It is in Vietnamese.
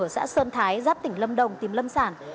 ở xã sơn thái giáp tỉnh lâm đồng tìm lâm sản